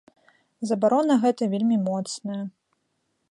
Забарона гэтая вельмі моцная.